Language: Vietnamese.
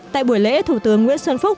tại buổi lễ thủ tướng nguyễn xuân phúc